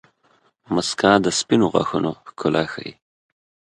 • مسکا د سپینو غاښونو ښکلا ښيي.